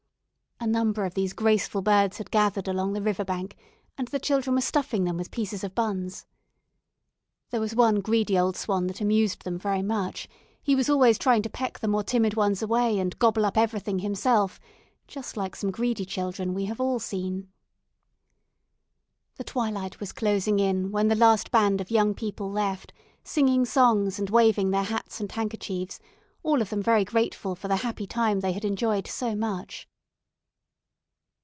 A number of these graceful birds had gathered along the river bank, and the children were stuffing them with pieces of buns. There was one greedy old swan that amused them very much; he was always trying to peck the more timid ones away and gobble up everything himself, just like some greedy children we all have seen. The twilight was closing in when the last band of young people left, singing songs, and waving their hats and handkerchiefs; all of them very grateful for the happy time they had enjoyed so much.